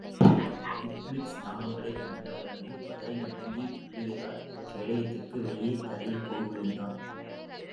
இபிக்ளிஸ், நாகங்களைக் கண்டவுடனே பதறி நடுங்கித் துள்ளியதில், கேடயத்திற்கு வெளியே தரையில் போய் விழுந்தான்.